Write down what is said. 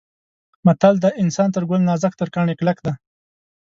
متل دی: انسان تر ګل نازک تر کاڼي کلک دی.